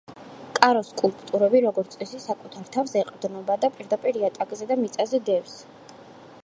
კაროს სკულპტურები როგორც წესი საკუთარ თავს ეყრდნობა და პირდაპირ იატაკზე და მიწაზე დევს.